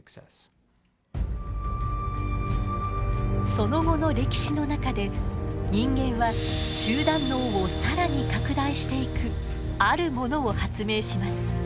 その後の歴史の中で人間は集団脳を更に拡大していくあるものを発明します。